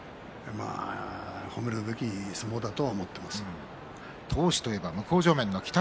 褒めるべき相撲だとは思っています。